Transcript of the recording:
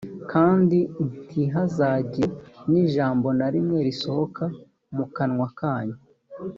kandi ntihazagire n’ijambo na rimwe risohoka mu kanwa kanyu,